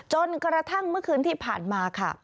จนกระทั่งเมื่อคืนที่ผ่านมาค่ะ